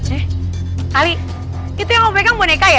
eh ali itu yang mau pegang boneka ya